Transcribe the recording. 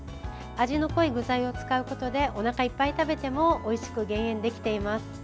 味の濃い具材を使うことでおなかいっぱい食べてもおいしく減塩できています。